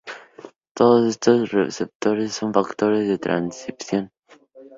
Todos estos receptores son factores de transcripción.